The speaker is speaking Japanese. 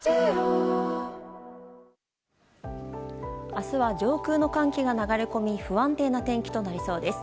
明日は上空の寒気が流れ込み不安定な天気となりそうです。